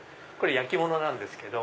焼き物なんですけど。